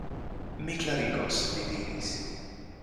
Mi klarigos, li diris.